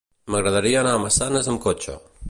M'agradaria anar a Massanes amb cotxe.